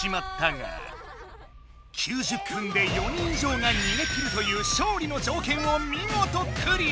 ９０分で４人以上が逃げ切るという勝利の条件を見事クリア！